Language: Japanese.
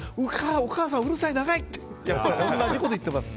お母さん、うるさい、長いって同じこと言ってます。